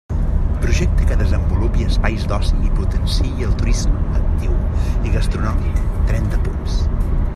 Projecte que desenvolupi espais d'oci i potenciï el turisme actiu i gastronòmic, trenta punts.